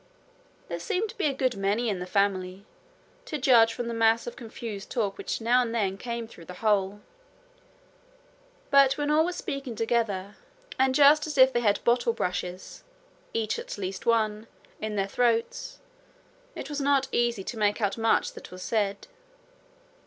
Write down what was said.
There seemed to be a good many in the family, to judge from the mass of confused talk which now and then came through the hole; but when all were speaking together, and just as if they had bottle brushes each at least one in their throats, it was not easy to make out much that was said.